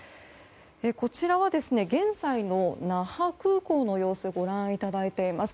こちら、現在の那覇空港の様子ご覧いただいています。